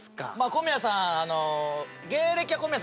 小宮さん。